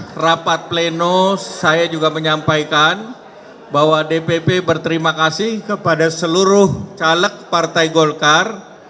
dalam rapat pleno saya juga menyampaikan bahwa dpp berterima kasih kepada seluruh caleg partai golkar